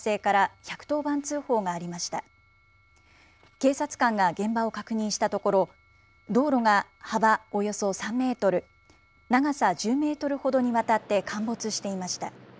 警察官が現場を確認したところ、道路が幅およそ３メートル、長さ１０メートルほどにわたって陥没していました。